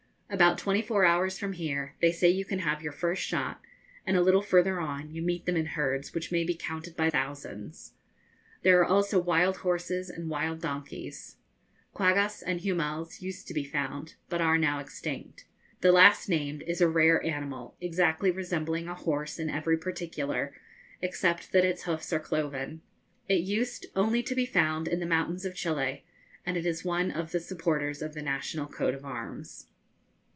About twenty four hours from here they say you can have your first shot, and a little further on you meet them in herds which may be counted by thousands. There are also wild horses and wild donkeys. Quaggas and huemuls used to be found, but are now extinct. The last named is a rare animal, exactly resembling a horse in every particular, except that its hoofs are cloven. It used only to be found in the mountains of Chili, and it is one of the supporters of the national coat of arms.